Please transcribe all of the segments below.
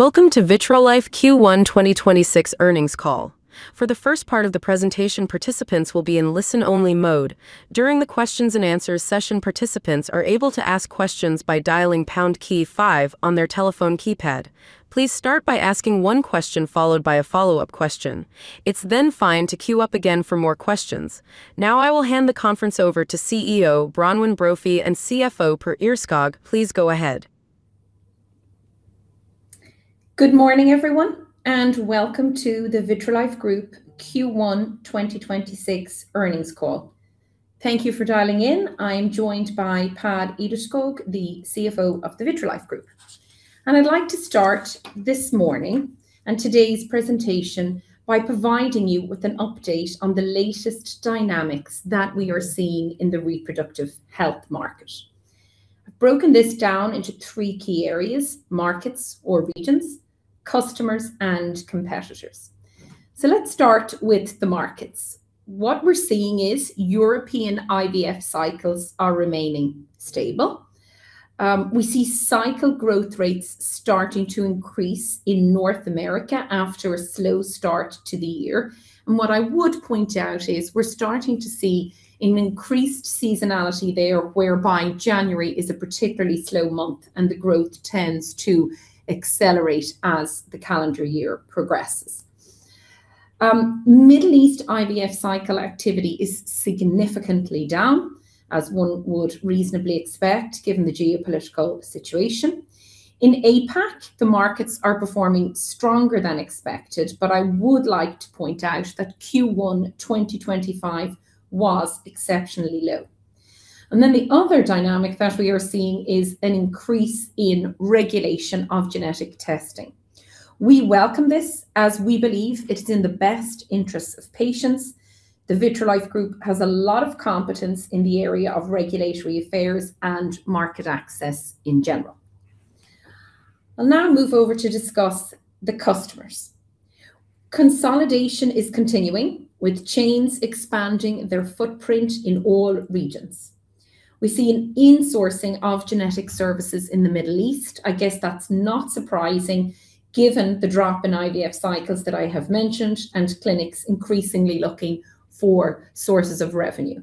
Welcome to Vitrolife Q1 2026 earnings call. For the first part of the presentation, participants will be in listen-only mode. During the questions-and-answers session, participants are able to ask questions by dialing pound key five on their telephone keypad. Please start by asking one question, followed by a follow-up question. It's then fine to queue up again for more questions. Now I will hand the conference over to CEO Bronwyn Brophy and CFO Pär Ihrskog. Please go ahead. Good morning, everyone, and welcome to the Vitrolife Group Q1 2026 earnings call. Thank you for dialing in. I'm joined by Pär Ihrskog, the CFO of the Vitrolife Group. I'd like to start this morning and today's presentation by providing you with an update on the latest dynamics that we are seeing in the reproductive health market. I've broken this down into three key areas. Markets or regions, customers, and competitors. Let's start with the markets. What we're seeing is European IVF cycles are remaining stable. We see cycle growth rates starting to increase in North America after a slow start to the year. What I would point out is we're starting to see an increased seasonality there, whereby January is a particularly slow month and the growth tends to accelerate as the calendar year progresses. Middle East IVF cycle activity is significantly down, as one would reasonably expect given the geopolitical situation. In APAC, the markets are performing stronger than expected, but I would like to point out that Q1 2025 was exceptionally low. The other dynamic that we are seeing is an increase in regulation of genetic testing. We welcome this as we believe it is in the best interest of patients. The Vitrolife Group has a lot of competence in the area of regulatory affairs and market access in general. I'll now move over to discuss the customers. Consolidation is continuing, with chains expanding their footprint in all regions. We see an insourcing of genetic services in the Middle East. I guess that's not surprising given the drop in IVF cycles that I have mentioned and clinics increasingly looking for sources of revenue.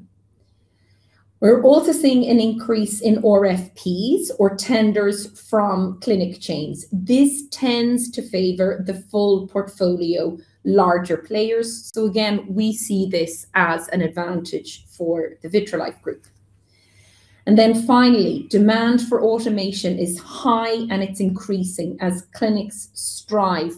We're also seeing an increase in RFPs or tenders from clinic chains. This tends to favor the full portfolio larger players. Again, we see this as an advantage for the Vitrolife Group. Finally, demand for automation is high, and it's increasing as clinics strive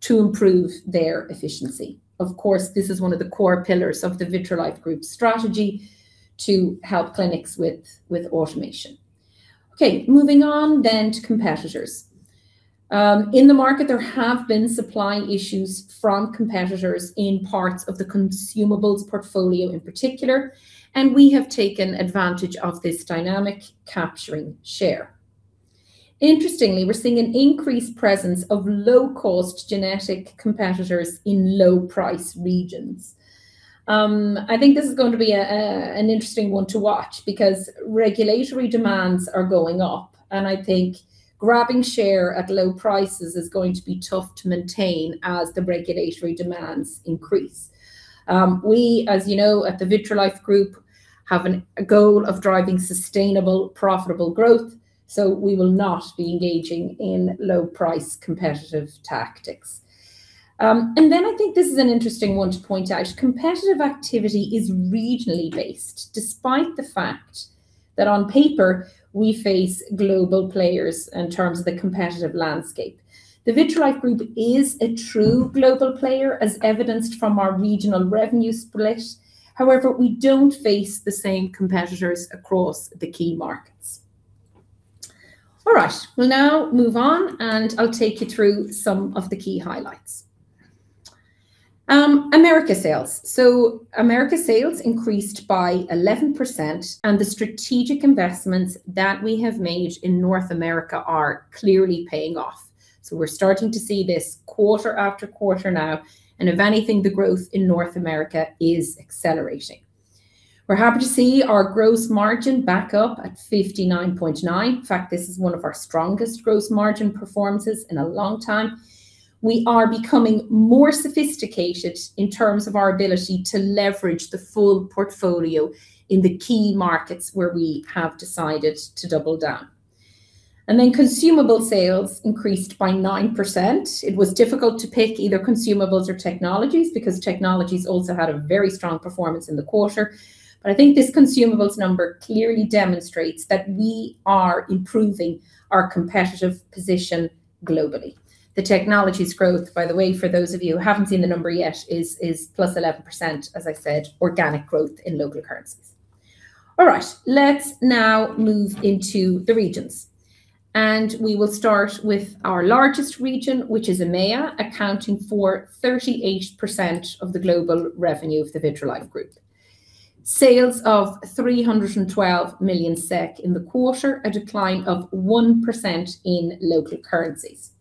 to improve their efficiency. Of course, this is one of the core pillars of the Vitrolife Group strategy to help clinics with automation. Okay, moving on then to competitors. In the market, there have been supply issues from competitors in parts of the consumables portfolio in particular, and we have taken advantage of this dynamic, capturing share. Interestingly, we're seeing an increased presence of low-cost genetic competitors in low-price regions. I think this is going to be an interesting one to watch because regulatory demands are going up, and I think grabbing share at low prices is going to be tough to maintain as the regulatory demands increase. We, as you know, at the Vitrolife Group, have a goal of driving sustainable, profitable growth, so we will not be engaging in low-price competitive tactics. I think this is an interesting one to point out. Competitive activity is regionally based, despite the fact that on paper we face global players in terms of the competitive landscape. The Vitrolife Group is a true global player, as evidenced from our regional revenue split. However, we don't face the same competitors across the key markets. All right. We'll now move on, and I'll take you through some of the key highlights. America sales. America sales increased by 11%, and the strategic investments that we have made in North America are clearly paying off. We're starting to see this quarter-after-quarter now, and if anything, the growth in North America is accelerating. We're happy to see our gross margin back up at 59.9%. In fact, this is one of our strongest gross margin performances in a long time. We are becoming more sophisticated in terms of our ability to leverage the full portfolio in the key markets where we have decided to double down. Consumable sales increased by 9%. It was difficult to pick either consumables or technologies because technologies also had a very strong performance in the quarter. I think this consumables number clearly demonstrates that we are improving our competitive position globally. The technologies growth, by the way, for those of you who haven't seen the number yet, is +11%, as I said, organic growth in local currencies. All right. Let's now move into the regions. We will start with our largest region, which is EMEA, accounting for 38% of the global revenue of the Vitrolife Group. Sales of 312 million SEK in the quarter, a decline of -1% in local currencies.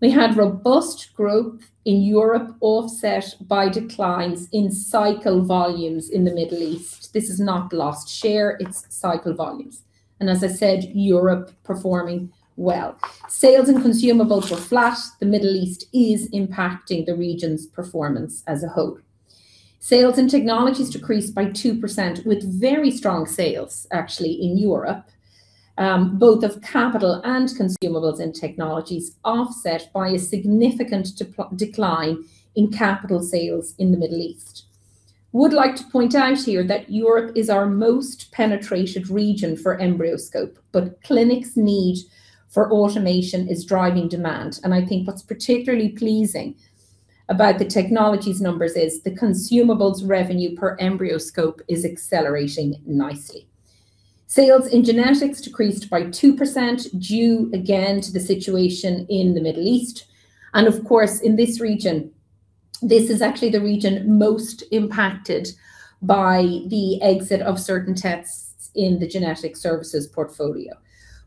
We had robust growth in Europe, offset by declines in cycle volumes in the Middle East. This is not lost share, it's cycle volumes. As I said, Europe performing well. Sales and consumables were flat. The Middle East is impacting the region's performance as a whole. Sales and technologies decreased by -2% with very strong sales actually in Europe, both of capital and consumables and technologies offset by a significant decline in capital sales in the Middle East. Would like to point out here that Europe is our most penetrated region for EmbryoScope, but clinics' need for automation is driving demand. I think what's particularly pleasing about the Technologies numbers is the Consumables revenue per EmbryoScope is accelerating nicely. Sales in Genetics decreased by 2%, due again to the situation in the Middle East. Of course, in this region, this is actually the region most impacted by the exit of certain tests in the genetic services portfolio.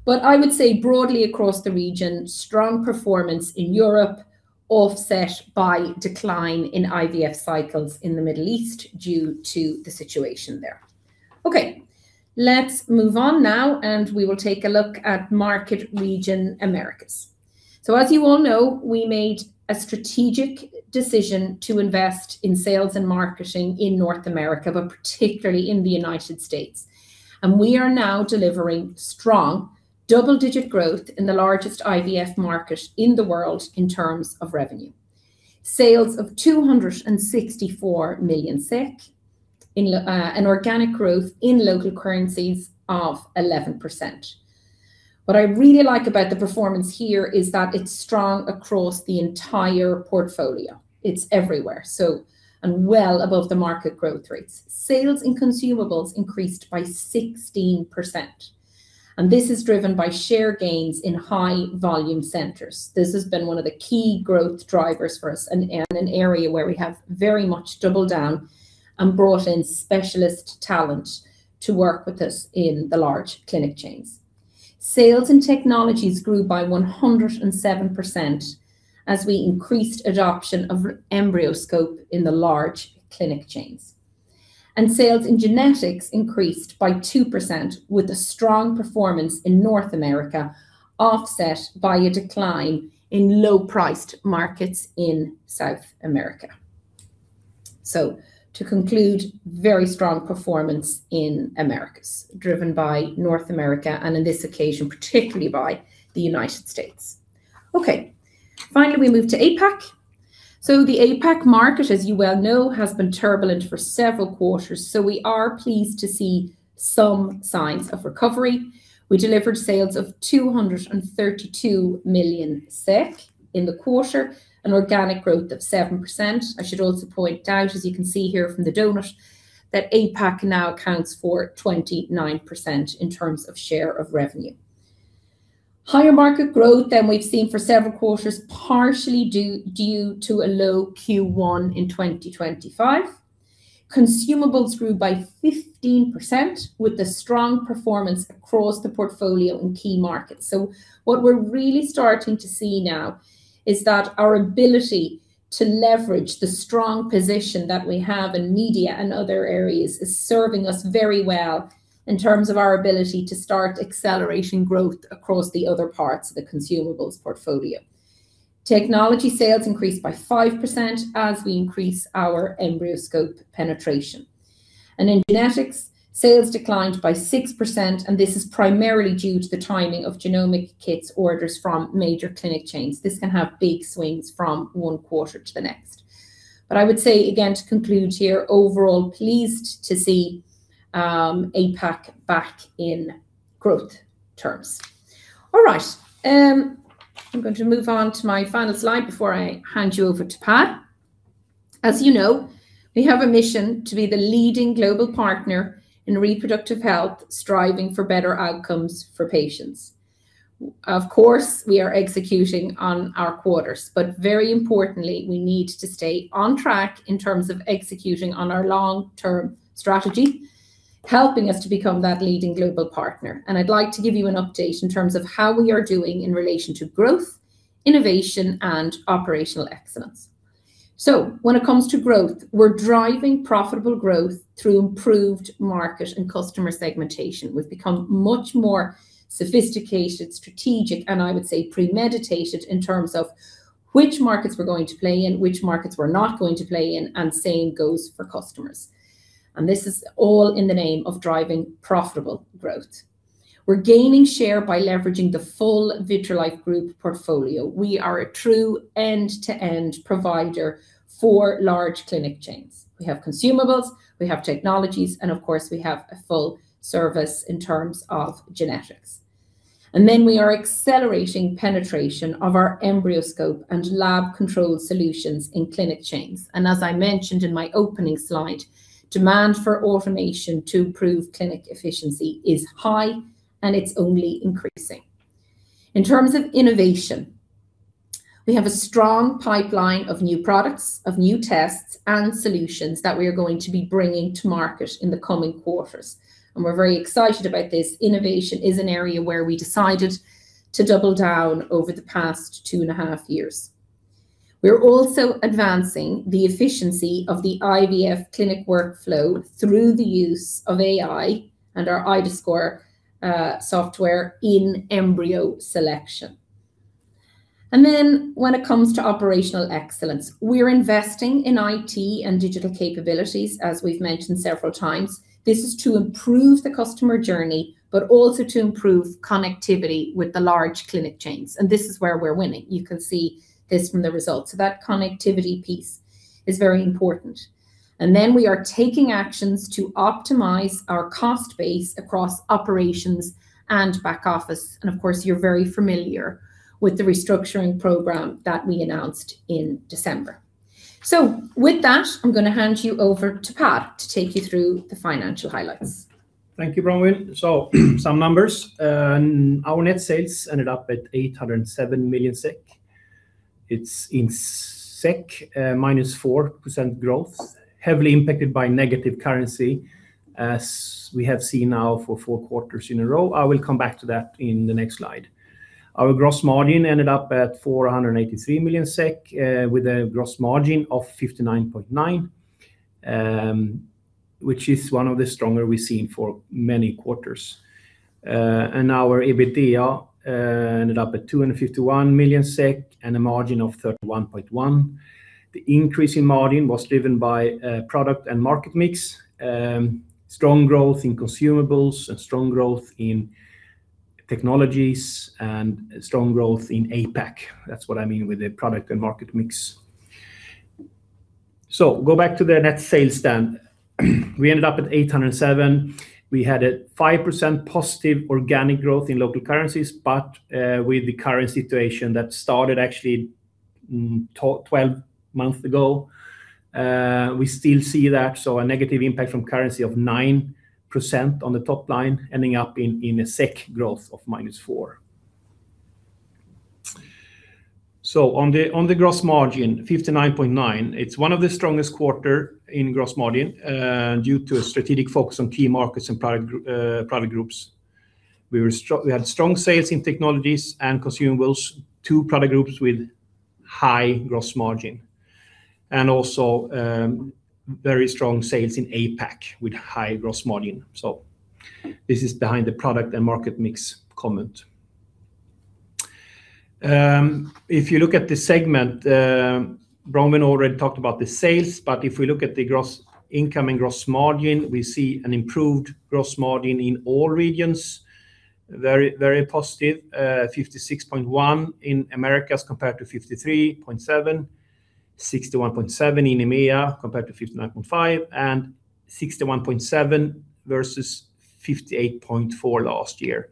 I would say broadly across the region, strong performance in Europe offset by decline in IVF cycles in the Middle East due to the situation there. Okay, let's move on now and we will take a look at market region Americas. As you all know, we made a strategic decision to invest in sales and marketing in North America, but particularly in the United States. We are now delivering strong double-digit growth in the largest IVF market in the world in terms of revenue. Sales of 264 million SEK in an organic growth in local currencies of 11%. What I really like about the performance here is that it's strong across the entire portfolio. It's everywhere, so and well above the market growth rates. Sales and Consumables increased by 16%, and this is driven by share gains in high volume centers. This has been one of the key growth drivers for us and an area where we have very much doubled down and brought in specialist talent to work with us in the large clinic chains. Sales and Technologies grew by 107% as we increased adoption of EmbryoScope in the large clinic chains. Sales in Genetics increased by 2% with a strong performance in North America, offset by a decline in low-priced markets in South America. To conclude, very strong performance in Americas driven by North America and on this occasion, particularly by the United States. Okay. Finally, we move to APAC. The APAC market, as you well know, has been turbulent for several quarters. We are pleased to see some signs of recovery. We delivered sales of 232 million SEK in the quarter, an organic growth of 7%. I should also point out, as you can see here from the donut, that APAC now accounts for 29% in terms of share of revenue. Higher market growth than we've seen for several quarters, partially due to a low Q1 in 2025. Consumables grew by 15% with a strong performance across the portfolio in key markets. What we're really starting to see now is that our ability to leverage the strong position that we have in media and other areas is serving us very well in terms of our ability to start accelerating growth across the other parts of the Consumables portfolio. Technologies sales increased by 5% as we increase our EmbryoScope penetration. In Genetics, sales declined by 6%, and this is primarily due to the timing of genomic kits orders from major clinic chains. This can have big swings from one quarter to the next. I would say again to conclude here, I'm overall pleased to see APAC back in growth terms. All right. I'm going to move on to my final slide before I hand you over to Pär. As you know, we have a mission to be the leading global partner in reproductive health, striving for better outcomes for patients. Of course, we are executing on our quarters, but very importantly, we need to stay on track in terms of executing on our long-term strategy, helping us to become that leading global partner. I'd like to give you an update in terms of how we are doing in relation to growth, innovation, and operational excellence. When it comes to growth, we're driving profitable growth through improved market and customer segmentation. We've become much more sophisticated, strategic, and I would say premeditated in terms of which markets we're going to play in, which markets we're not going to play in, and same goes for customers. This is all in the name of driving profitable growth. We're gaining share by leveraging the full Vitrolife Group portfolio. We are a true end-to-end provider for large clinic chains. We have Consumables, we have Technologies, and of course we have a full service in terms of Genetics. Then we are accelerating penetration of our EmbryoScope and Lab & Quality control solutions in clinic chains. As I mentioned in my opening slide, demand for automation to improve clinic efficiency is high, and it's only increasing. In terms of innovation, we have a strong pipeline of new products, of new tests, and solutions that we are going to be bringing to market in the coming quarters. We're very excited about this. Innovation is an area where we decided to double down over the past two and a half years. We are also advancing the efficiency of the IVF clinic workflow through the use of AI and our iDAScore software in embryo selection. When it comes to operational excellence, we're investing in IT and digital capabilities, as we've mentioned several times. This is to improve the customer journey, but also to improve connectivity with the large clinic chains, and this is where we're winning. You can see this from the results. That connectivity piece is very important. We are taking actions to optimize our cost base across operations and back office. Of course, you're very familiar with the restructuring program that we announced in December. With that, I'm going to hand you over to Pär to take you through the financial highlights. Thank you, Bronwyn. Some numbers. Our net sales ended up at 807 million SEK. It's in SEK, -4% growth, heavily impacted by negative currency as we have seen now for four quarters in a row. I will come back to that in the next slide. Our gross margin ended up at 483 million SEK, with a gross margin of 59.9%, which is one of the stronger we've seen for many quarters. Our EBITDA ended up at 251 million SEK and a margin of 31.1%. The increase in margin was driven by product and market mix, strong growth in Consumables, and strong growth in Technologies and strong growth in APAC. That's what I mean with the product and market mix. Go back to the net sales then. We ended up at 807 million. We had a 5% positive organic growth in local currencies, but with the current situation that started actually 12 months ago, we still see that. A negative impact from currency of 9% on the top line ending up in a SEK growth of -4%. On the gross margin, 59.9%, it's one of the strongest quarter in gross margin due to a strategic focus on key markets and product groups. We had strong sales in Technologies and Consumables, two product groups with high gross margin. Also very strong sales in APAC with high gross margin. This is behind the product and market mix comment. If you look at the segment, Bronwyn already talked about the sales, but if we look at the incoming gross margin, we see an improved gross margin in all regions. Very positive. 56.1% in Americas compared to 53.7%. 61.7% in EMEA, compared to 59.5%, and 61.7% versus 58.4% last year.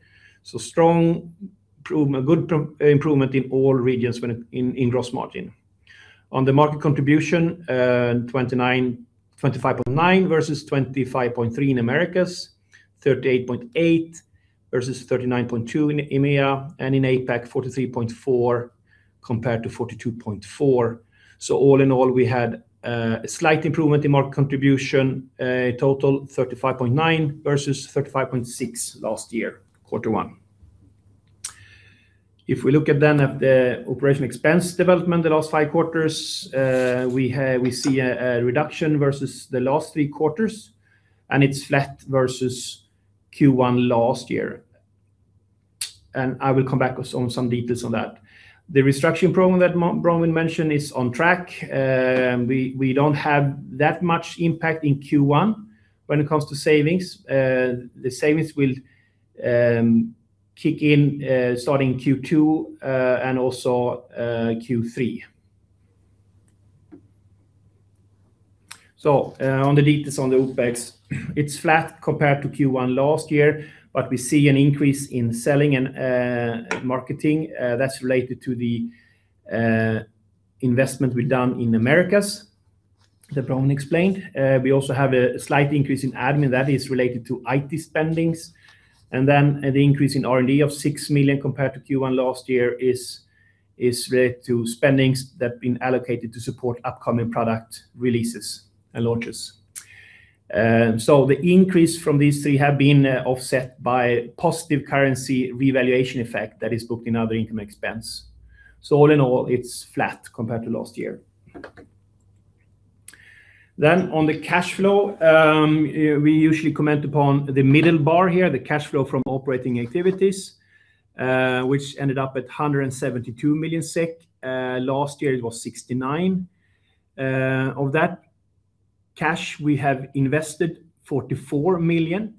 Good improvement in all regions in gross margin. On the market contribution, 25.9% versus 25.3% in Americas. 38.8% versus 39.2% in EMEA, and in APAC, 43.4% compared to 42.4%. All in all, we had a slight improvement in market contribution, a total 35.9% versus 35.6% last year, quarter one. If we look at then at the operational expense development the last five quarters, we see a reduction versus the last three quarters, and it's flat versus Q1 last year. I will come back with some details on that. The restructuring program that Bronwyn mentioned is on track. We don't have that much impact in Q1 when it comes to savings. The savings will kick in starting Q2 and also Q3. On the details on the OpEx. It's flat compared to Q1 last year, but we see an increase in selling and marketing that's related to the investment we've done in Americas that Bronwyn explained. We also have a slight increase in admin that is related to IT spending. The increase in R&D of 6 million compared to Q1 last year is related to spending that have been allocated to support upcoming product releases and launches. The increase from these three have been offset by positive currency revaluation effect that is booked in other income expense. All in all, it's flat compared to last year. On the cash flow, we usually comment upon the middle bar here, the cash flow from operating activities, which ended up at 172 million SEK. Last year it was 69 million. Of that cash, we have invested 44 million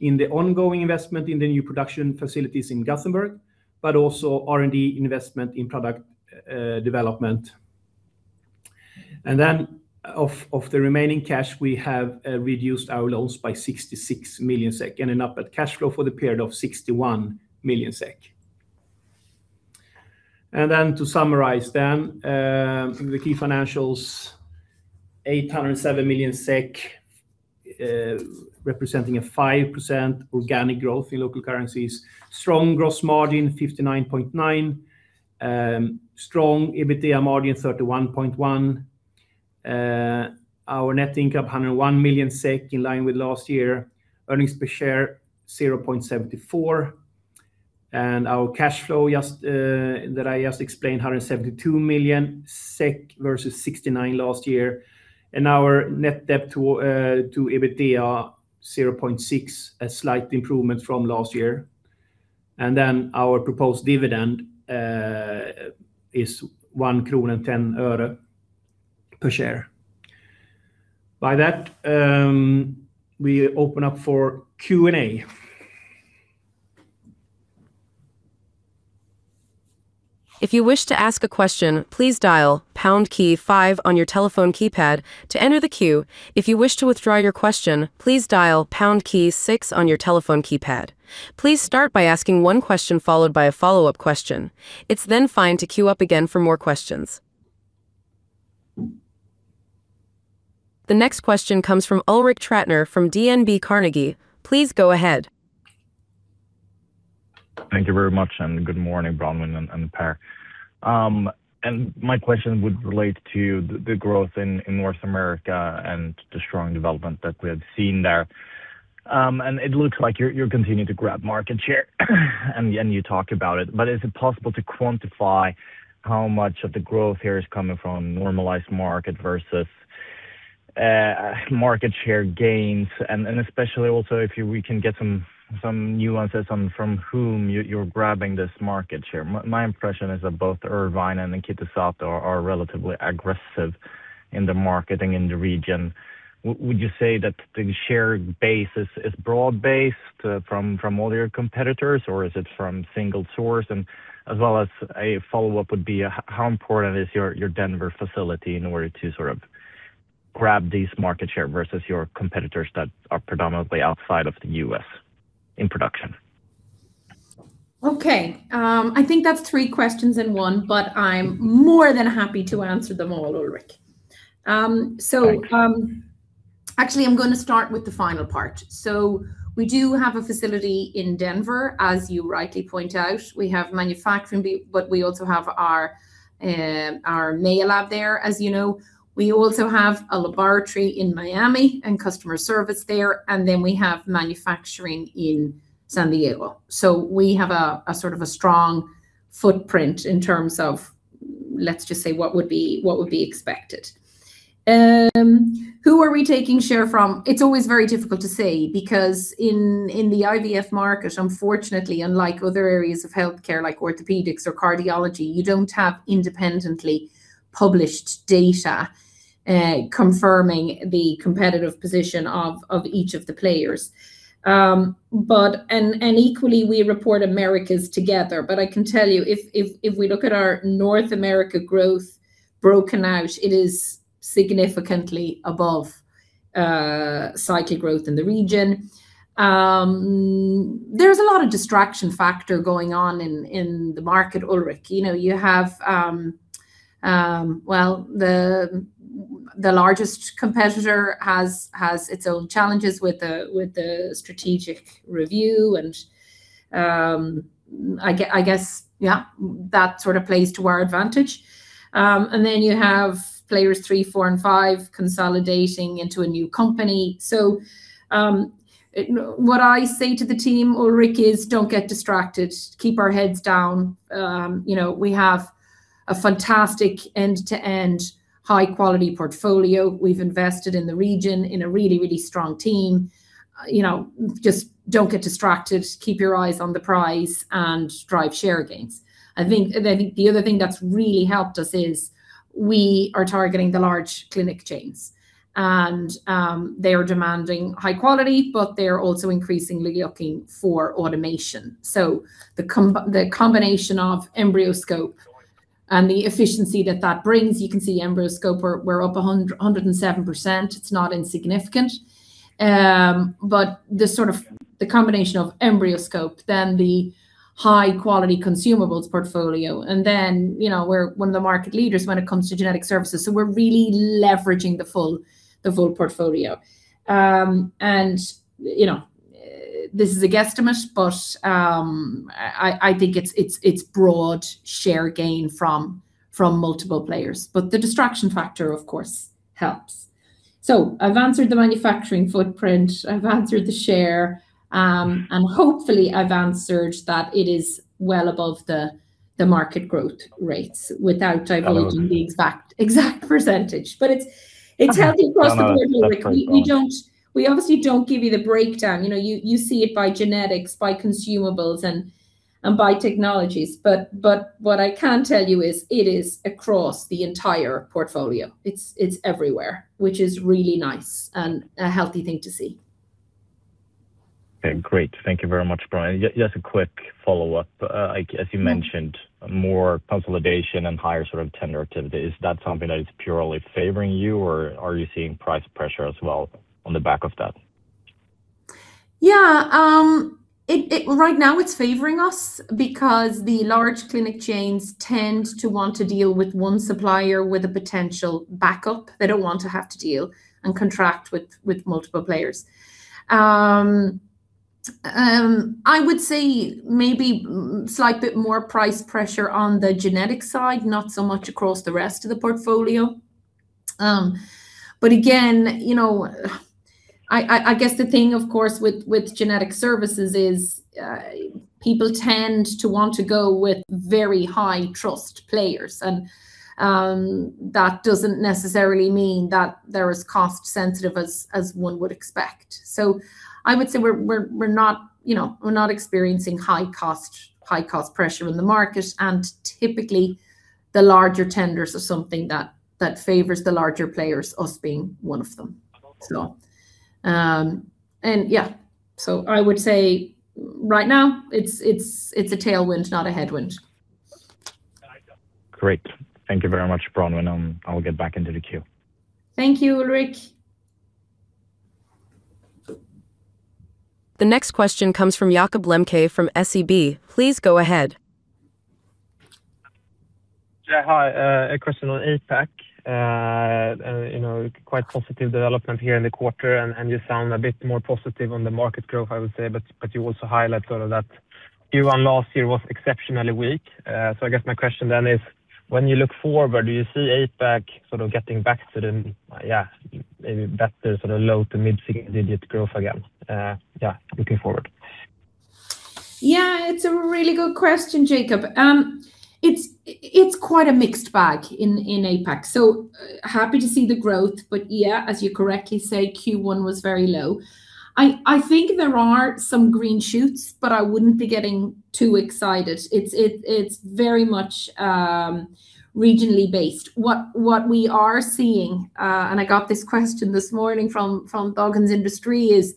in the ongoing investment in the new production facilities in Gothenburg, but also R&D investment in product development. Of the remaining cash, we have reduced our loans by 66 million SEK, ending up at cash flow for the period of 61 million SEK. To summarize then, the key financials, SEK 807 million, representing 5% organic growth in local currencies. Strong gross margin 59.9%. Strong EBITDA margin 31.1%. Our net income, 101 million SEK, in line with last year. Earnings per share 0.74. Our cash flow that I just explained, 172 million SEK versus 69 million last year. Our net debt to EBITDA 0.6, a slight improvement from last year. Our proposed dividend is SEK 1.10 per share. By that, we open up for Q&A. If you wish to ask a question please dial pound key five on your telephone keypad, to enter the queue. If you wish to withdraw your question please dial pound key six on your telephone keypad. Please start by asking one question followed by a follow-up question, it's then fine to queue up for more questions. The next question comes from Ulrik Trattner from DNB Carnegie. Please go ahead. Thank you very much, and good morning, Bronwyn and Pär. My question would relate to the growth in North America and the strong development that we have seen there. It looks like you're continuing to grab market share, and you talk about it. Is it possible to quantify how much of the growth here is coming from normalized market versus market share gains? Especially also if we can get some nuances on from whom you're grabbing this market share. My impression is that both Irvine and Kitazato are relatively aggressive in the marketing in the region. Would you say that the share base is broad-based from all your competitors, or is it from single source? As well as a follow-up would be, how important is your Denver facility in order to sort of grab these market share versus your competitors that are predominantly outside of the U.S. in production? Okay. I think that's three questions in one, but I'm more than happy to answer them all, Ulrik. Thank you. Actually, I'm going to start with the final part. We do have a facility in Denver, as you rightly point out. We have manufacturing, but we also have our main lab there, as you know. We also have a laboratory in Miami and customer service there, and then we have manufacturing in San Diego. We have a sort of a strong footprint in terms of, let's just say, what would be expected. Who are we taking share from? It's always very difficult to say because in the IVF market, unfortunately, unlike other areas of healthcare like orthopedics or cardiology, you don't have independently published data confirming the competitive position of each of the players. Equally, we report Americas together. I can tell you, if we look at our North America growth broken out, it is significantly above cycle growth in the region. There's a lot of distraction factor going on in the market, Ulrik. The largest competitor has its own challenges with the strategic review and I guess, yeah, that sort of plays to our advantage. You have players three, four, and five consolidating into a new company. What I say to the team, Ulrik, is don't get distracted. Keep our heads down. We have a fantastic end-to-end high-quality portfolio. We've invested in the region in a really, really strong team. Just don't get distracted, keep your eyes on the prize and drive share gains. I think the other thing that's really helped us is we are targeting the large clinic chains, and they are demanding high quality, but they're also increasingly looking for automation. The combination of EmbryoScope and the efficiency that that brings, you can see EmbryoScope, we're up 107%. It's not insignificant. The combination of EmbryoScope, then the high-quality consumables portfolio, and then we're one of the market leaders when it comes to genetic services. We're really leveraging the full portfolio. This is a guesstimate, but I think it's broad share gain from multiple players. The distraction factor, of course, helps. I've answered the manufacturing footprint, I've answered the share, and hopefully, I've answered that it is well above the market growth rates without divulging the exact percentage. It's healthy across the board, Ulrik. No, no, that's pretty gone. We obviously don't give you the breakdown. You see it by Genetics, by Consumables, and by Technologies. What I can tell you is it is across the entire portfolio. It's everywhere, which is really nice and a healthy thing to see. Okay, great. Thank you very much, Bronwyn. Just a quick follow-up. As you mentioned, more consolidation and higher sort of tender activity. Is that something that is purely favoring you, or are you seeing price pressure as well on the back of that? Yeah. Right now it's favoring us because the large clinic chains tend to want to deal with one supplier with a potential backup. They don't want to have to deal and contract with multiple players. I would say maybe slight bit more price pressure on the genetic side, not so much across the rest of the portfolio. Again, I guess the thing, of course, with genetic services is people tend to want to go with very high-trust players, and that doesn't necessarily mean that they're as cost sensitive as one would expect. I would say we're not experiencing high-cost pressure in the market, and typically the larger tenders are something that favors the larger players, us being one of them. Yeah, I would say right now it's a tailwind, not a headwind. Great. Thank you very much, Bronwyn. I'll get back into the queue. Thank you, Ulrik. The next question comes from Jakob Lembke from SEB. Please go ahead. Yeah. Hi. A question on APAC. Quite positive development here in the quarter, and you sound a bit more positive on the market growth, I would say, but you also highlight that Q1 last year was exceptionally weak. I guess my question then is, when you look forward, do you see APAC sort of getting back to the, yeah, maybe better low to mid-single digit growth again? Yeah, looking forward. Yeah, it's a really good question, Jakob. It's quite a mixed bag in APAC. Happy to see the growth, but yeah, as you correctly say, Q1 was very low. I think there are some green shoots, but I wouldn't be getting too excited. It's very much regionally based. What we are seeing, and I got this question this morning from Dagens Industri is,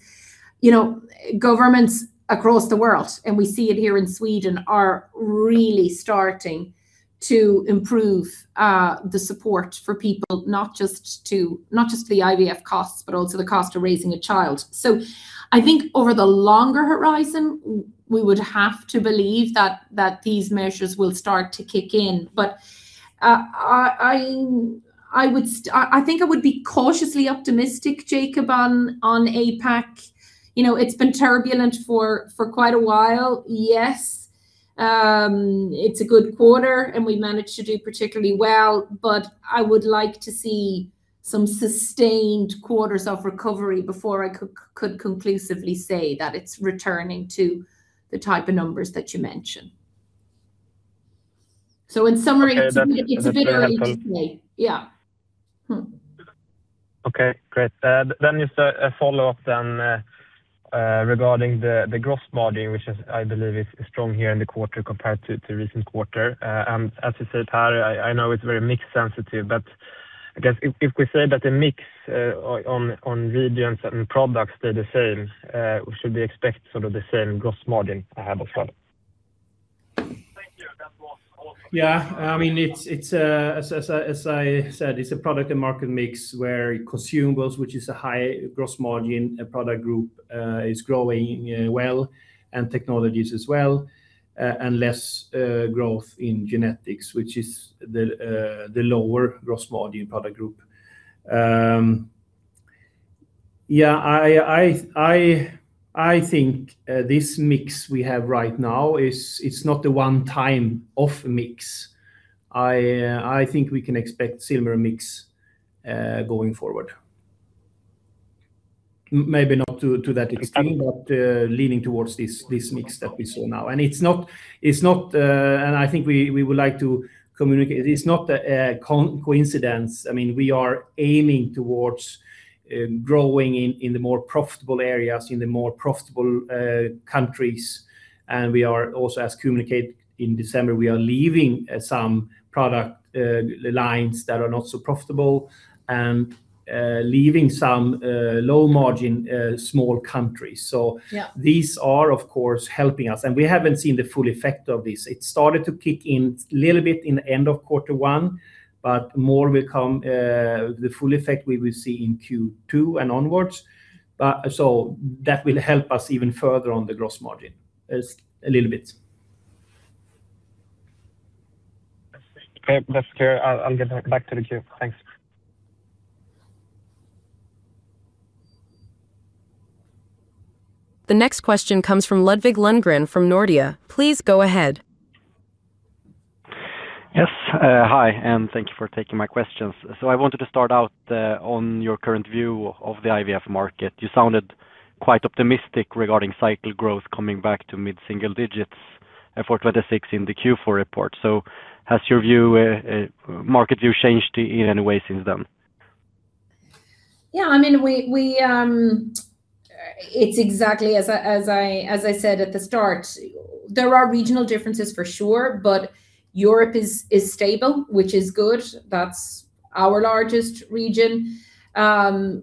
governments across the world, and we see it here in Sweden, are really starting to improve the support for people, not just the IVF costs, but also the cost of raising a child. I think over the longer horizon, we would have to believe that these measures will start to kick in. I think I would be cautiously optimistic, Jakob, on APAC. It's been turbulent for quite a while. Yes, it's a good quarter, and we managed to do particularly well, but I would like to see some sustained quarters of recovery before I could conclusively say that it's returning to the type of numbers that you mentioned. In summary- Okay. That's very helpful. ...it's very difficult. Yeah. Okay, great. Just a follow-up then, regarding the gross margin, which I believe is strong here in the quarter compared to recent quarter. As you said, Pär, I know it's very mix sensitive, but I guess if we say that the mix on reagents and products, they're the same, should we expect the same gross margin ahead of time? Yeah. As I said, it's a product and market mix where Consumables, which is a high gross margin product group, is growing well, and Technologies as well, and less growth in Genetics, which is the lower gross margin product group. Yeah. I think this mix we have right now, it's not a one time off mix. I think we can expect similar mix going forward. Maybe not to that extreme, but leaning towards this mix that we saw now. I think we would like to communicate, it is not a coincidence. We are aiming towards growing in the more profitable areas, in the more profitable countries. We are also, as communicated in December, leaving some product lines that are not so profitable and leaving some low margin small countries. Yeah These are of course helping us. We haven't seen the full effect of this. It started to kick in a little bit in the end of quarter one, but more will come. The full effect we will see in Q2 and onwards. That will help us even further on the gross margin a little bit. Okay. That's clear. I'll get back to the queue. Thanks. The next question comes from Ludvig Lundgren from Nordea. Please go ahead. Yes. Hi, and thanks for taking my questions. I wanted to start out on your current view of the IVF market. You sounded quite optimistic regarding cycle growth coming back to mid-single digits for 2026 in the Q4 report. Has your market view changed in any way since then? Yeah. It's exactly as I said at the start. There are regional differences for sure, but Europe is stable, which is good. That's our largest region.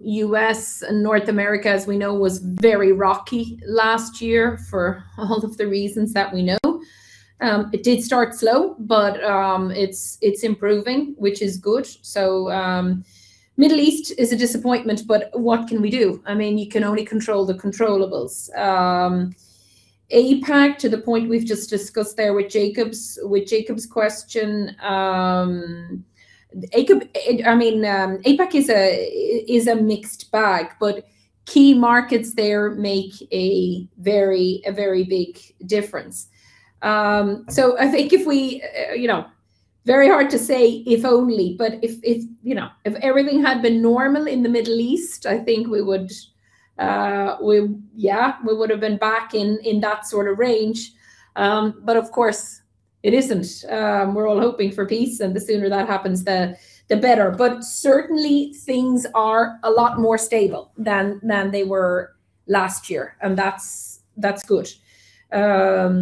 U.S. and North America, as we know, was very rocky last year for all of the reasons that we know. It did start slow, but it's improving, which is good. Middle East is a disappointment, but what can we do? You can only control the controllables. APAC, to the point we've just discussed there with Jakob's question. APAC is a mixed bag, but key markets there make a very big difference. I think, very hard to say if only, but if everything had been normal in the Middle East, I think, yeah, we would've been back in that sort of range, but of course, it isn't. We're all hoping for peace, and the sooner that happens, the better. Certainly, things are a lot more stable than they were last year, and that's good. Yeah,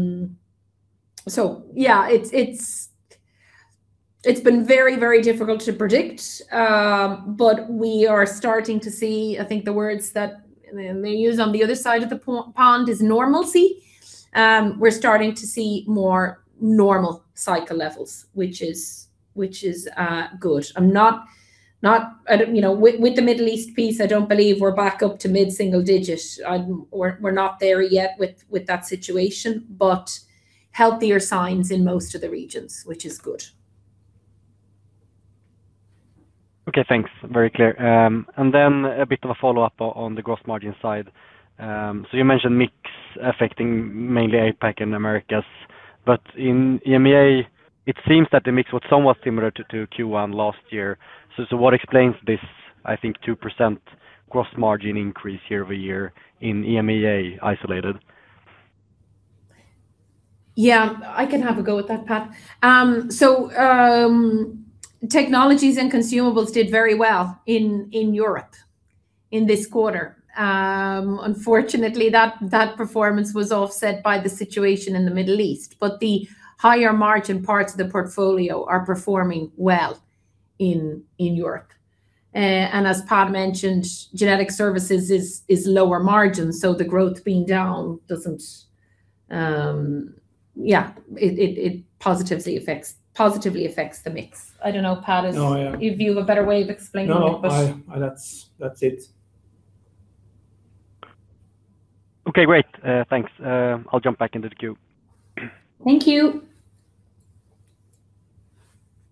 it's been very difficult to predict. We are starting to see, I think the words that they use on the other side of the pond is normalcy. We're starting to see more normal cycle levels, which is good. With the Middle East piece, I don't believe we're back up to mid-single digits. We're not there yet with that situation, but healthier signs in most of the regions, which is good. Okay, thanks. Very clear. Then a bit of a follow-up on the gross margin side. You mentioned mix affecting mainly APAC and Americas, but in EMEA, it seems that the mix was somewhat similar to Q1 last year. What explains this, I think 2% gross margin increase year-over-year in EMEA isolated? Yeah, I can have a go at that, Pär. Technologies and Consumables did very well in Europe in this quarter. Unfortunately, that performance was offset by the situation in the Middle East, but the higher margin parts of the portfolio are performing well in Europe. As Pär mentioned, Genetics is lower margin, so the growth being down positively affects the mix. I don't know, Pär, if you have a better way of explaining it. No, that's it. Okay, great. Thanks. I'll jump back into the queue. Thank you.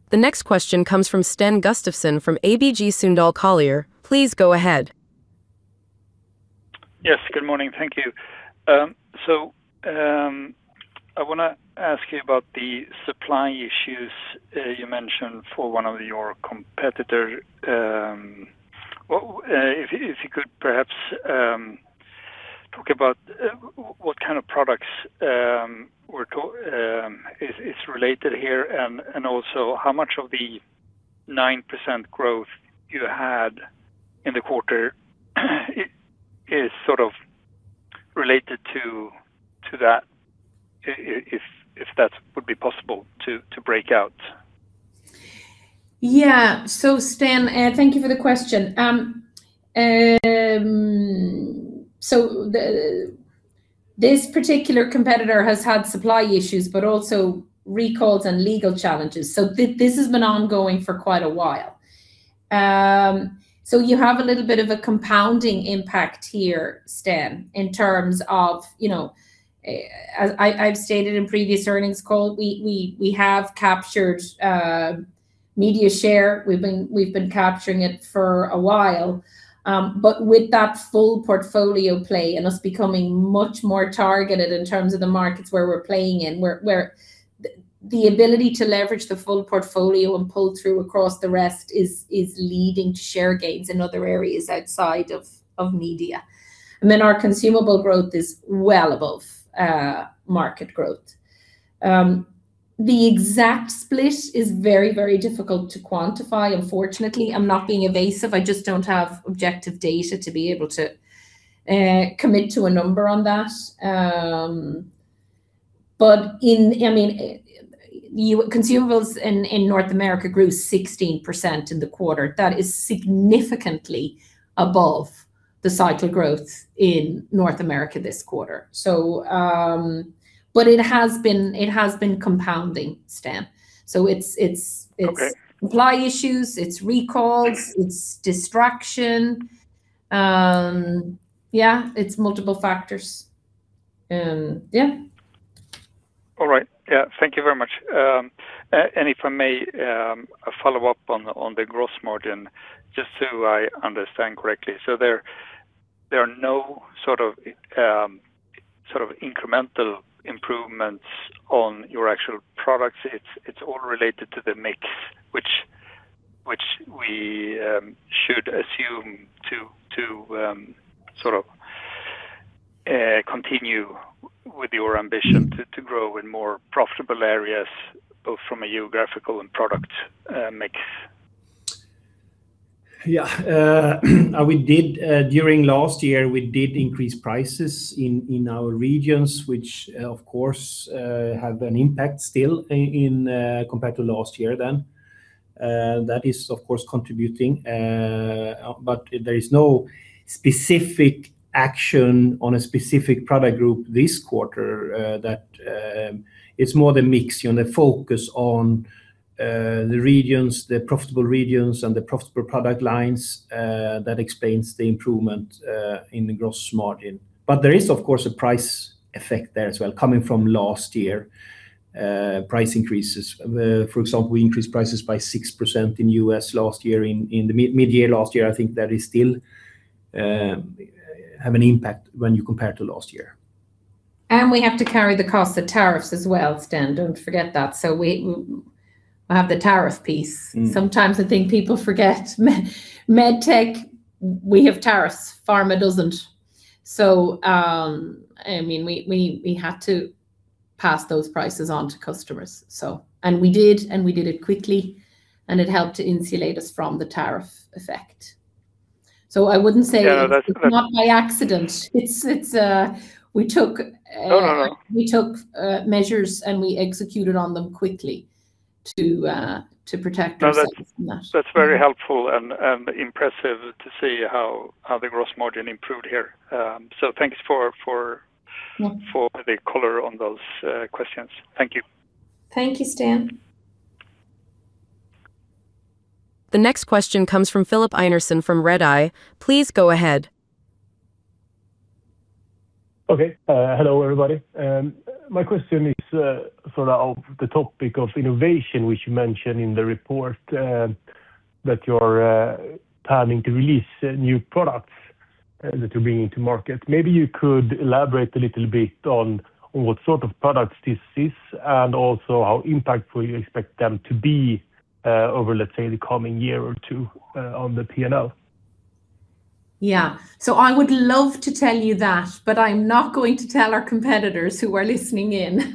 The next question comes from Sten Gustafsson from ABG Sundal Collier. Please go ahead. Yes, good morning. Thank you. I want to ask you about the supply issues you mentioned for one of your competitor. If you could perhaps talk about what kind of products is related here, and also how much of the 9% growth you had in the quarter is sort of related to that, if that would be possible to break out. Yeah. Sten thank you for the question. This particular competitor has had supply issues, but also recalls and legal challenges. This has been ongoing for quite a while. You have a little bit of a compounding impact here, Sten, in terms of, as I've stated in previous earnings call, we have captured media share. We've been capturing it for a while. With that full portfolio play and us becoming much more targeted in terms of the markets where we're playing in, where the ability to leverage the full portfolio and pull through across the rest is leading to share gains in other areas outside of media. Our consumable growth is well above market growth. The exact split is very difficult to quantify, unfortunately. I'm not being evasive, I just don't have objective data to be able to commit to a number on that. Consumables in North America grew 16% in the quarter. That is significantly above the cycle growth in North America this quarter. It has been compounding, Sten. It's- Okay. ...supply issues, it's recalls, it's distraction. Yeah, it's multiple factors. Yeah. All right. Yeah, thank you very much. If I may follow up on the gross margin, just so I understand correctly. There are no sort of incremental improvements on your actual products. It's all related to the mix, which we should assume to sort of continue with your ambition to grow in more profitable areas, both from a geographical and product mix. Yeah. During last year, we did increase prices in our regions, which of course, have an impact still compared to last year then. That is, of course, contributing. There is no specific action on a specific product group this quarter. It's more the mix, the focus on the regions, the profitable regions, and the profitable product lines that explains the improvement in the gross margin. There is, of course, a price effect there as well, coming from last year price increases. For example, we increased prices by 6% in the U.S. last year, in the mid-year last year. I think that is still have an impact when you compare to last year. We have to carry the cost of tariffs as well, Sten. Don't forget that. We have the tariff piece. Mm-hmm. Sometimes I think people forget med tech, we have tariffs, pharma doesn't. We had to pass those prices on to customers. We did, and we did it quickly, and it helped to insulate us from the tariff effect. I wouldn't say- Yeah, that's. ...it's not by accident. No, no. We took measures, and we executed on them quickly to protect ourselves from that. No, that's very helpful and impressive to see how the gross margin improved here. Thanks for- Mm-hmm ...the color on those questions. Thank you. Thank you, Sten. The next question comes from Filip Einarsson from Redeye. Please go ahead. Okay. Hello everybody. My question is sort of the topic of innovation, which you mention in the report, that you're planning to release new products to bring to market. Maybe you could elaborate a little bit on what sort of products this is and also how impactful you expect them to be over, let's say, the coming year or two on the P&L. Yeah. I would love to tell you that, but I'm not going to tell our competitors who are listening in.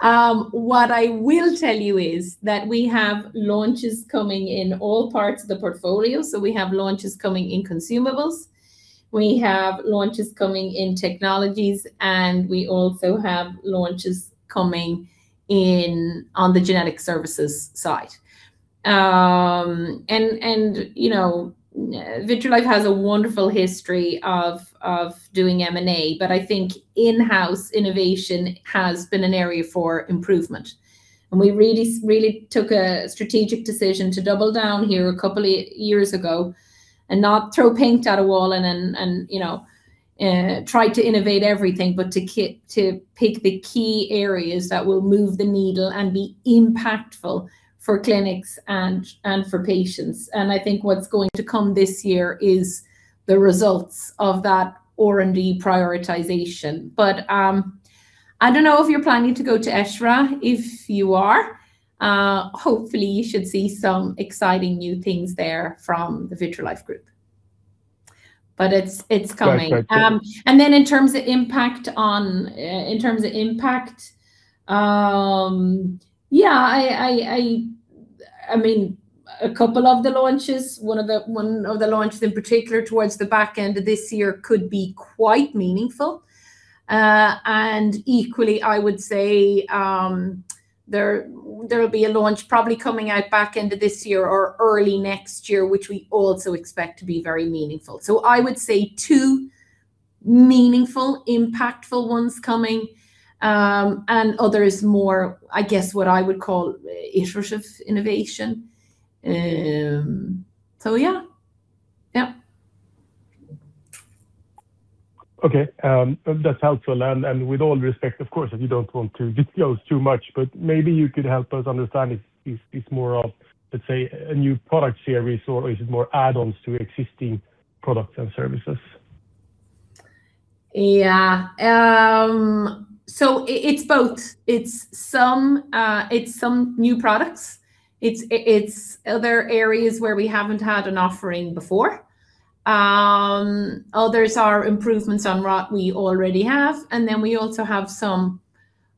What I will tell you is that we have launches coming in all parts of the portfolio. We have launches coming in consumables, we have launches coming in technologies, and we also have launches coming on the genetic services side. Vitrolife has a wonderful history of doing M&A, but I think in-house innovation has been an area for improvement, and we really took a strategic decision to double down here a couple of years ago and not throw paint at a wall and try to innovate everything, but to pick the key areas that will move the needle and be impactful for clinics and for patients. I think what's going to come this year is the results of that R&D prioritization. I don't know if you're planning to go to ESHRE. If you are, hopefully you should see some exciting new things there from the Vitrolife Group. It's coming. Great. Then in terms of impact, yeah, a couple of the launches, one of the launches in particular towards the back end of this year could be quite meaningful. Equally, I would say there will be a launch probably coming out back end of this year or early next year, which we also expect to be very meaningful. I would say two meaningful, impactful ones coming, and others more, I guess, what I would call iterative innovation. Yeah. Okay. That's helpful. With all respect, of course, if you don't want to disclose too much, but maybe you could help us understand if it's more of, let's say, a new product share resource or is it more add-ons to existing products and services? Yeah. It's both. It's some new products. It's other areas where we haven't had an offering before. Others are improvements on what we already have. We also have some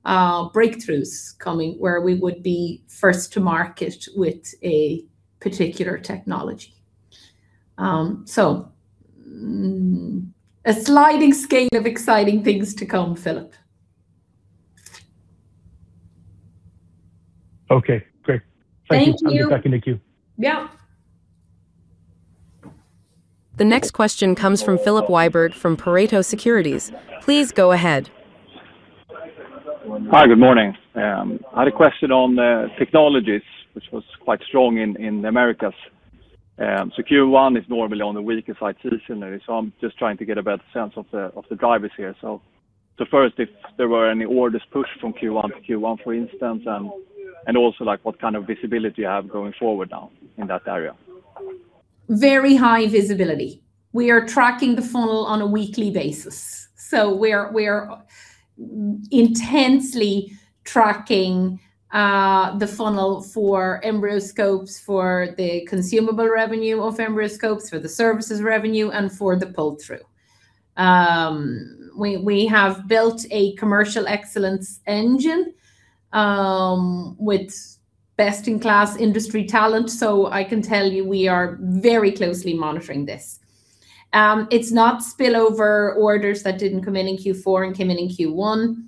breakthroughs coming where we would be first to market with a particular technology. A sliding scale of exciting things to come, Filip. Okay, great. Thank you. Thank you. I'll get back in the queue. Yeah. The next question comes from Filip Wiberg from Pareto Securities. Please go ahead. Hi, good morning. I had a question on the Technologies, which was quite strong in Americas. Q1 is normally on the weaker side seasonally. I'm just trying to get a better sense of the drivers here. First, if there were any orders pushed from Q1 to Q1, for instance, and also what kind of visibility you have going forward now in that area? Very high visibility. We are tracking the funnel on a weekly basis. We're intensely tracking the funnel for EmbryoScopes, for the consumable revenue of EmbryoScopes, for the services revenue, and for the pull-through. We have built a commercial excellence engine with best-in-class industry talent. I can tell you we are very closely monitoring this. It's not spillover orders that didn't come in in Q4 and came in in Q1.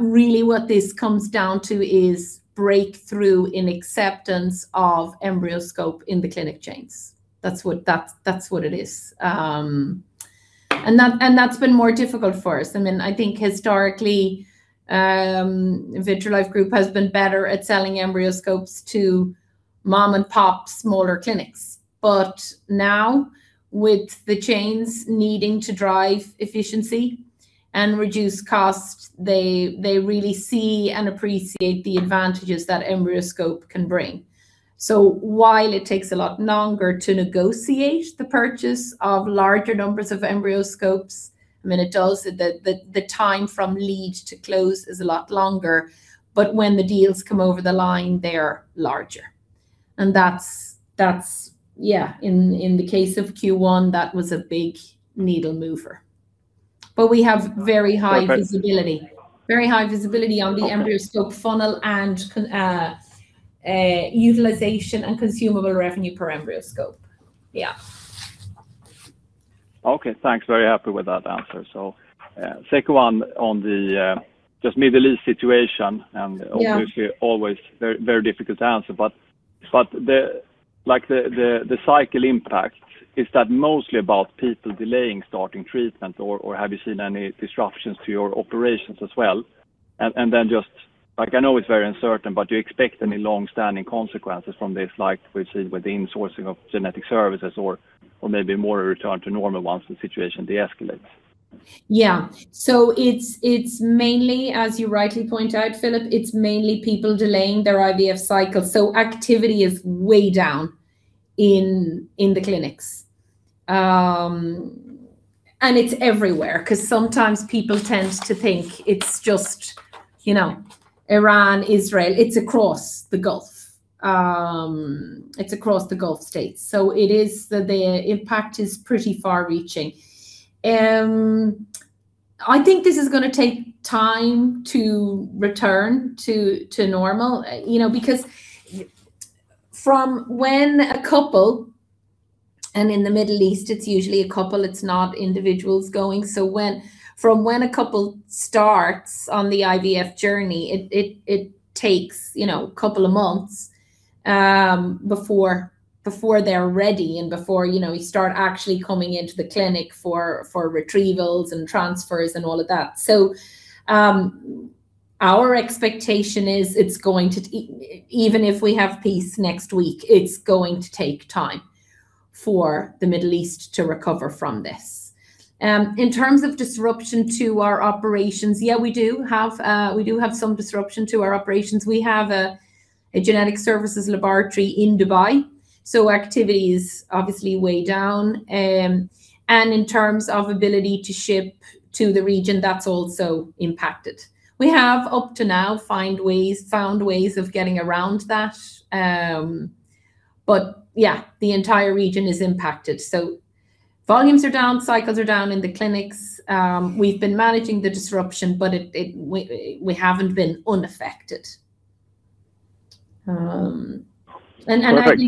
Really what this comes down to is breakthrough in acceptance of EmbryoScope in the clinic chains. That's what it is. That's been more difficult for us. I think historically, Vitrolife Group has been better at selling EmbryoScopes to mom-and-pop smaller clinics. Now, with the chains needing to drive efficiency and reduce costs, they really see and appreciate the advantages that EmbryoScope can bring. While it takes a lot longer to negotiate the purchase of larger numbers of EmbryoScopes, it does, the time from lead to close is a lot longer, but when the deals come over the line, they're larger. That's, yeah, in the case of Q1, that was a big needle mover. We have very high visibility, very high visibility on the EmbryoScope funnel and utilization and consumable revenue per EmbryoScope. Yeah. Okay, thanks. Very happy with that answer. Second one on the just Middle East situation, and- Yeah Obviously always very difficult to answer. The cycle impact, is that mostly about people delaying starting treatment, or have you seen any disruptions to your operations as well? Just, I know it's very uncertain, but do you expect any longstanding consequences from this, like we've seen with the insourcing of genetic services or maybe more a return to normal once the situation deescalates? Yeah. It's mainly, as you rightly point out, Filip, it's mainly people delaying their IVF cycle. Activity is way down in the clinics. It's everywhere, because sometimes people tend to think it's just Iran, Israel. It's across the Gulf. It's across the Gulf States. The impact is pretty far-reaching. I think this is going to take time to return to normal. Because from when a couple, and in the Middle East it's usually a couple, it's not individuals going. From when a couple starts on the IVF journey, it takes a couple of months before they're ready and before we start actually coming into the clinic for retrievals and transfers and all of that. Our expectation is, even if we have peace next week, it's going to take time for the Middle East to recover from this. In terms of disruption to our operations, yeah, we do have some disruption to our operations. We have a genetic services laboratory in Dubai, so activity is obviously way down. In terms of ability to ship to the region, that's also impacted. We have up to now found ways of getting around that. Yeah, the entire region is impacted. Volumes are down, cycles are down in the clinics. We've been managing the disruption, but we haven't been unaffected. Perfect.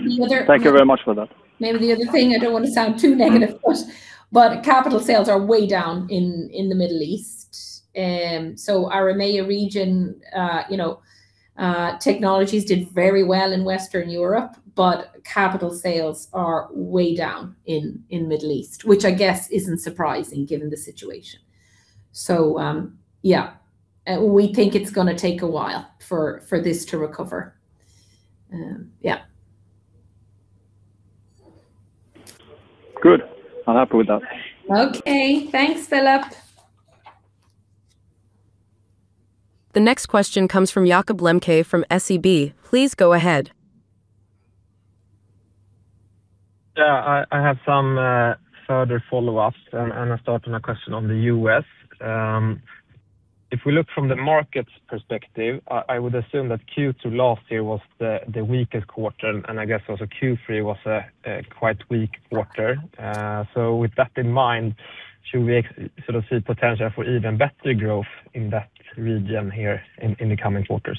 Thank you very much for that. Maybe the other thing, I don't want to sound too negative, of course, but capital sales are way down in the Middle East. Our EMEA region Technologies did very well in Western Europe, but capital sales are way down in Middle East, which I guess isn't surprising given the situation. Yeah, we think it's going to take a while for this to recover. Yeah. Good. I'm happy with that. Okay. Thanks, Filip. The next question comes from Jakob Lembke from SEB. Please go ahead. Yeah. I have some further follow-ups. I'll start on a question on the U.S. If we look from the market's perspective, I would assume that Q2 last year was the weakest quarter, and I guess also Q3 was a quite weak quarter. With that in mind, should we sort of see potential for even better growth in that region here in the coming quarters?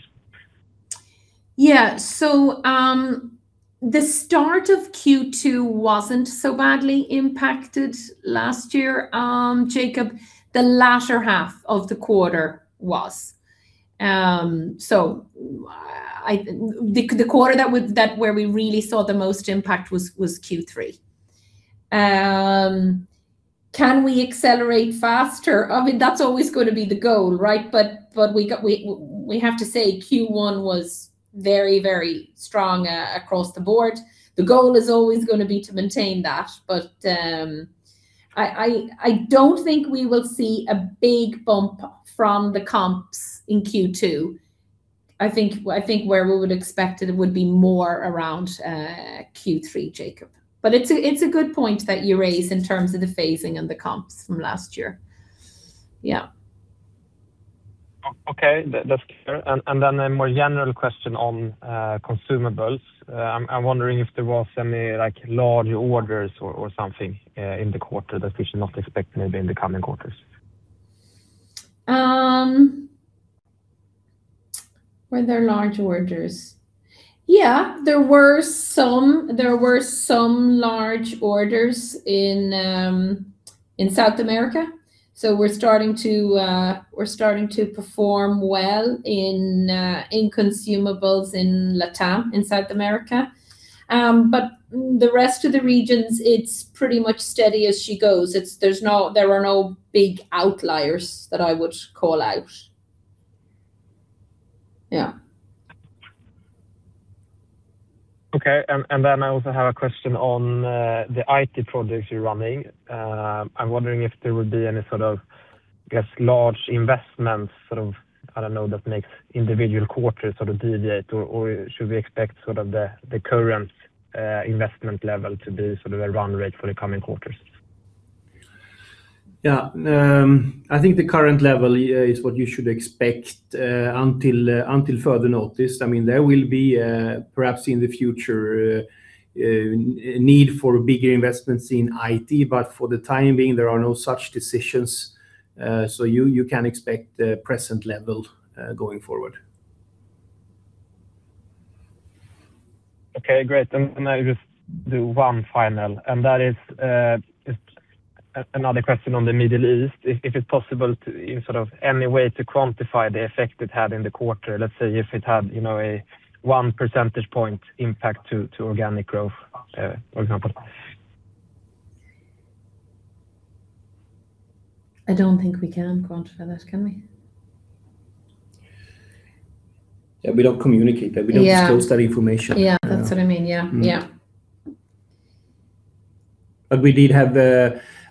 Yeah. The start of Q2 wasn't so badly impacted last year, Jakob. The latter half of the quarter was. The quarter where we really saw the most impact was Q3. Can we accelerate faster? I mean, that's always going to be the goal. We have to say Q1 was very strong across the board. The goal is always going to be to maintain that. I don't think we will see a big bump from the comps in Q2. I think where we would expect it would be more around Q3, Jakob. It's a good point that you raise in terms of the phasing and the comps from last year. Yeah. Okay. That's clear. A more general question on consumables. I'm wondering if there was any large orders or something in the quarter that we should not expect maybe in the coming quarters? Were there large orders? Yeah, there were some large orders in South America. We're starting to perform well in Consumables in LATAM, in South America. The rest of the regions, it's pretty much steady as she goes. There are no big outliers that I would call out. Yeah. Okay. I also have a question on the IT projects you're running. I'm wondering if there would be any sort of, I guess, large investments, sort of, I don't know, that makes individual quarters sort of deviate, or should we expect the current investment level to be sort of a run rate for the coming quarters? Yeah. I think the current level is what you should expect until further notice. There will be, perhaps in the future, a need for bigger investments in IT. But for the time being, there are no such decisions, you can expect the present level going forward. Okay, great. I just do one final, and that is another question on the Middle East. If it's possible to, in any way, quantify the effect it had in the quarter, let's say if it had a 1 percentage point impact to organic growth, for example. I don't think we can quantify that, can we? Yeah, we don't communicate that. Yeah. We don't disclose that information. Yeah. That's what I mean, yeah.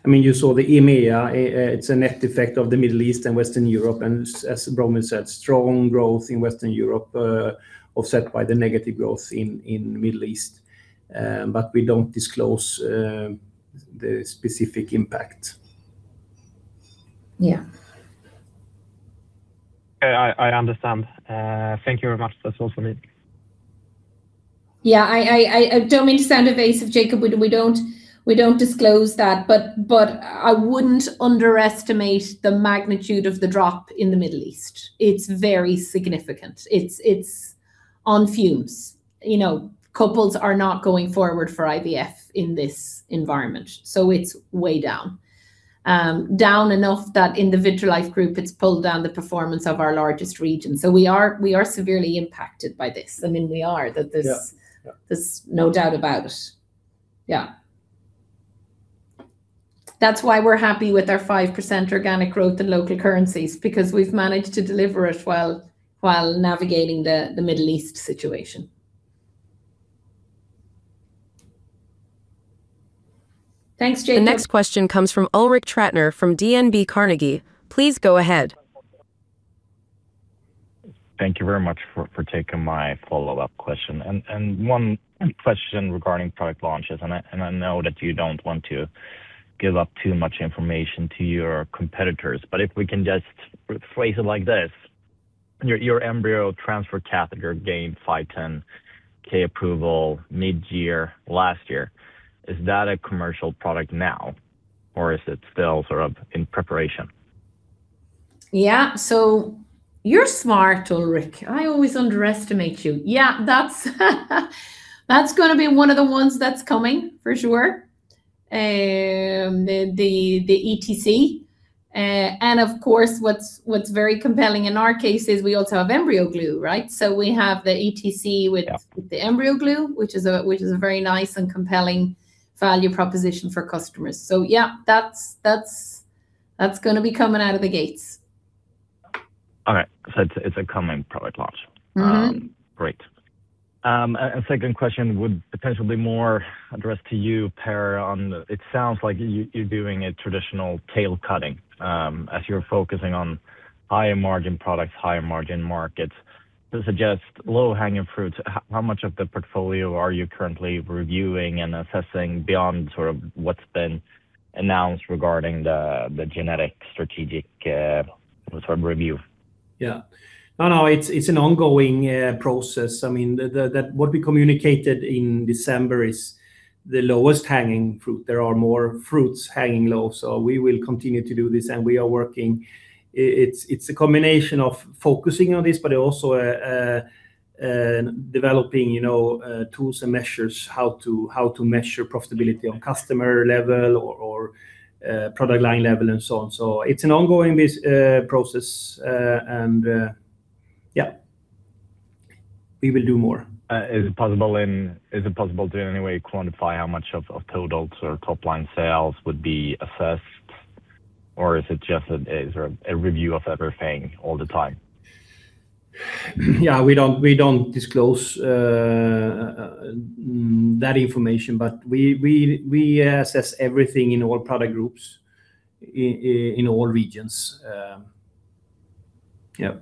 You saw the EMEA. It's a net effect of the Middle East and Western Europe, and as Bronwyn said, strong growth in Western Europe, offset by the negative growth in the Middle East. We don't disclose the specific impact. Yeah. I understand. Thank you very much. That's all from me. Yeah. I don't mean to sound evasive, Jakob. We don't disclose that, but I wouldn't underestimate the magnitude of the drop in the Middle East. It's very significant. It's on fumes. Couples are not going forward for IVF in this environment, so t's way down. Down enough that in the Vitrolife Group, it's pulled down the performance of our largest region. We are severely impacted by this. Yeah. There's no doubt about it. Yeah. That's why we're happy with our 5% organic growth in local currencies, because we've managed to deliver it while navigating the Middle East situation. Thanks, Jakob. The next question comes from Ulrik Trattner from DNB Carnegie. Please go ahead. Thank you very much for taking my follow-up question. One question regarding product launches, and I know that you don't want to give up too much information to your competitors, but if we can just phrase it like this. Your Embryo Transfer Catheter gained 510(k) approval mid-year last year. Is that a commercial product now, or is it still in preparation? Yeah. You're smart, Ulrik. I always underestimate you. Yeah, that's going to be one of the ones that's coming, for sure. The ETC, and of course, what's very compelling in our case is we also have EmbryoGlue, right? We have the ETC with the EmbryoGlue, which is a very nice and compelling value proposition for customers. Yeah, that's going to be coming out of the gates. All right. It's an upcoming product launch. Mm-hmm. Great. A second question would potentially be more addressed to you, Pär. It sounds like you're doing a traditional tail cutting, as you're focusing on higher margin products, higher margin markets. To suggest low-hanging fruits, how much of the portfolio are you currently reviewing and assessing beyond what's been announced regarding the genetic strategic review? Yeah. No. It's an ongoing process. What we communicated in December is the lowest hanging fruit. There are more fruits hanging low, so we will continue to do this, and we are working. It's a combination of focusing on this, but also developing tools and measures, how to measure profitability on customer level or product line level and so on. It's an ongoing process, and yeah. We will do more. Is it possible to, in any way, quantify how much of total top line sales would be assessed, or is it just a review of everything all the time? Yeah, we don't disclose that information. We assess everything in all product groups, in all regions. Yep.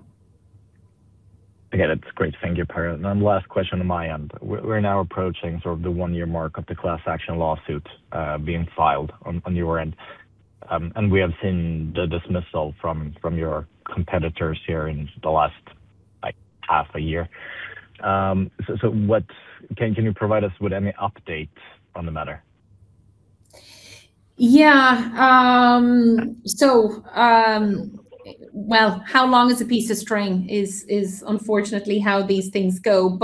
Again, that's great. Thank you, Pär. Last question on my end. We're now approaching the one-year mark of the class action lawsuit being filed on your end. We have seen the dismissal from your competitors here in the last half a year. Can you provide us with any update on the matter? Yeah. Well, how long is a piece of string is unfortunately how these things go.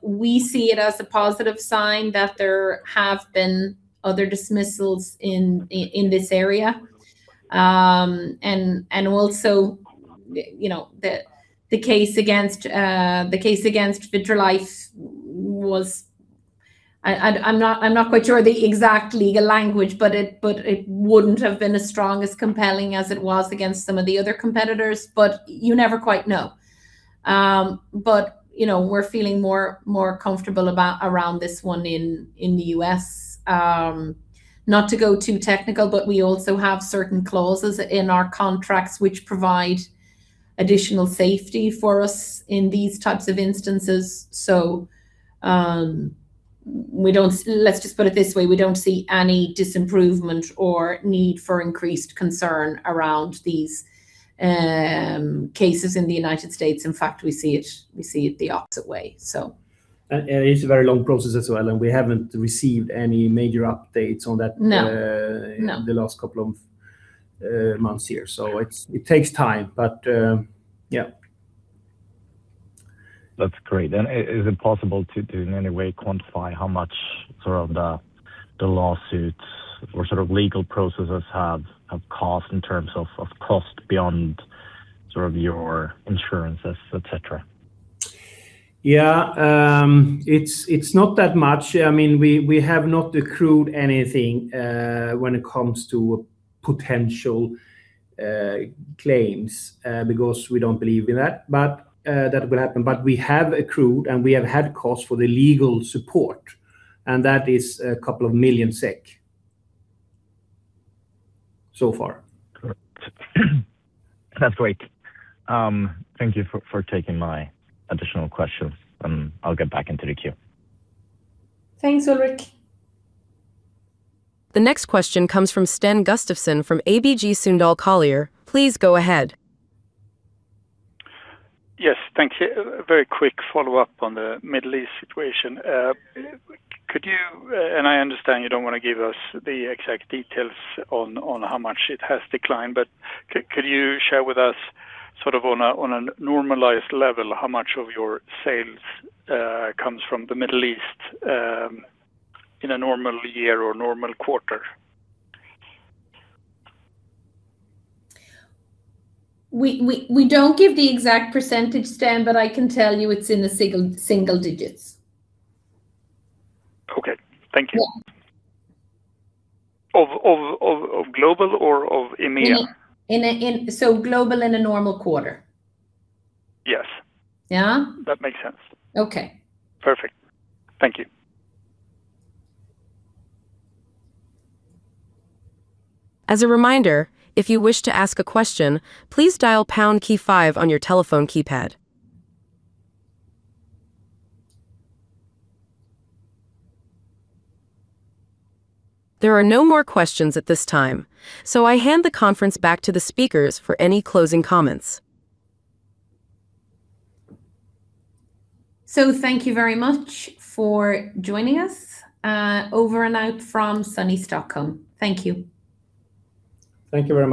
We see it as a positive sign that there have been other dismissals in this area. Also, the case against Vitrolife was, I'm not quite sure the exact legal language, but it wouldn't have been as strong, as compelling as it was against some of the other competitors, but you never quite know. We're feeling more comfortable around this one in the U.S. Not to go too technical, but we also have certain clauses in our contracts which provide additional safety for us in these types of instances. Let's just put it this way, we don't see any disimprovement or need for increased concern around these cases in the United States. In fact, we see it the opposite way, so. It's a very long process as well, and we haven't received any major updates on that- No ...in the last couple of months here. It takes time. Yeah. That's great. Is it possible to, in any way, quantify how much the lawsuits or legal processes have cost in terms of cost beyond your insurances, etc? Yeah. It's not that much. We have not accrued anything when it comes to potential claims, because we don't believe in that will happen. We have accrued, and we have had costs for the legal support, and that is a couple of million SEK, so far. Correct. That's great. Thank you for taking my additional questions, and I'll get back into the queue. Thanks, Ulrik. The next question comes from Sten Gustafsson from ABG Sundal Collier. Please go ahead. Yes, thank you. Very quick follow-up on the Middle East situation. Could you, and I understand you don't want to give us the exact details on how much it has declined, but could you share with us on a normalized level, how much of your sales comes from the Middle East in a normal year or normal quarter? We don't give the exact percentage, Sten, but I can tell you it's in the single digits. Okay. Thank you. Yeah. Of global or of EMEA? Global in a normal quarter. Yes. Yeah. That makes sense. Okay. Perfect. Thank you. As a reminder, if you wish to ask a question, please dial pound key five on your telephone keypad. There are no more questions at this time. I hand the conference back to the speakers for any closing comments. Thank you very much for joining us. Over and out from sunny Stockholm. Thank you. Thank you very much.